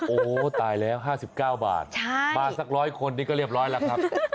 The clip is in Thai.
โอ้โหตายแล้ว๕๙บาทมาสัก๑๐๐คนนี้ก็เรียบร้อยแล้วครับ